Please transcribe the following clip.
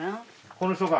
この人か？